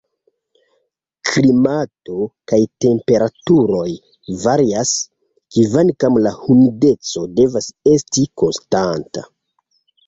Klimato kaj temperaturoj varias, kvankam la humideco devas esti konstanta.